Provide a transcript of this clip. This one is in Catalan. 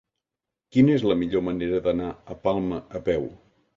Quina és la millor manera d'anar a Palma a peu?